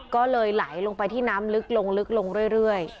ก็เลยไหลลงไปที่น้ำลึกลงลึกลงเรื่อย